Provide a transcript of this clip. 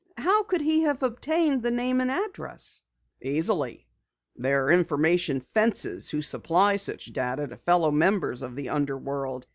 How could he have obtained the name and address?" "Easily. There are 'information fences' who supply such data to fellow members of the underworld.